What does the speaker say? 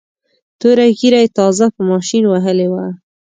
توره ږیره یې تازه په ماشین وهلې وه.